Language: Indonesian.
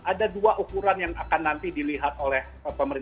ada dua ukuran yang akan nanti dilihat oleh covid sembilan belas